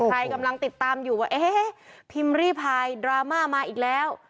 ใครกำลังติดตามอยู่ว่าเอ๊ะพิมพ์รีพายดราม่ามาอีกแล้ว